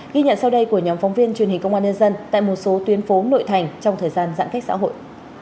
ghi nhận sau đây của nhóm phóng viên truyền hình công an nhân dân tại một số tuyến phố nội thành trong thời gian giãn cách xã hội